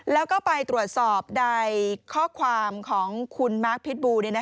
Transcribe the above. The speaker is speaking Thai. แล้วก็ไปตรวจสอบในข้อความของคุณมาร์คพิษบู